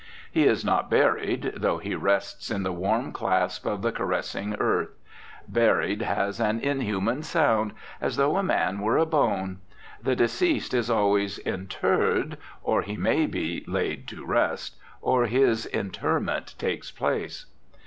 He is not buried, though he rests in the warm clasp of the caressing earth. Buried has an inhuman sound, as though a man were a bone. The deceased is always "interred," or he may be "laid to rest," or his "interment takes place."